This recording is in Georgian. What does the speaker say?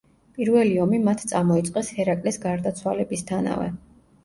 პირველი ომი მათ წამოიწყეს ჰერაკლეს გარდაცვალებისთანავე.